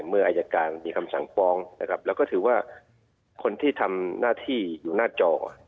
เมื่ออายการมีคำสั่งฟ้องนะครับแล้วก็ถือว่าคนที่ทำหน้าที่อยู่หน้าจอ